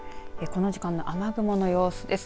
この時間の雨雲の様子です。